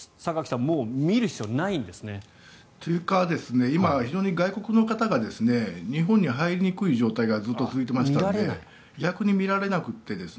榊さん、見る必要ないんですね。というか今、非常に外国の方が日本に入りにくい状態がずっと続いていましたので逆に見られなくて。